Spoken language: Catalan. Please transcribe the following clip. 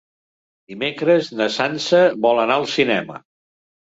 Dimecres na Sança vol anar al cinema.